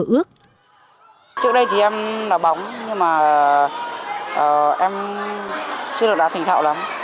trước đây thì em là bóng nhưng mà em chưa được đá thỉnh thạo lắm